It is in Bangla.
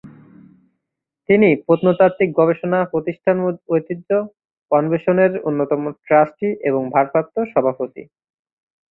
তিনি প্রত্নতাত্ত্বিক গবেষণা প্রতিষ্ঠান- ঐতিহ্য অন্বেষণ-এরও অন্যতম ট্রাস্টি এবং ভারপ্রাপ্ত সভাপতি।